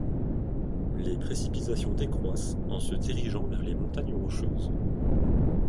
Les précipitations décroissent en se dirigeant vers les montagnes Rocheuses.